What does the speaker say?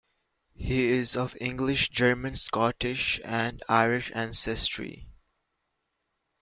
He is of English, German, Scottish, and Irish ancestry.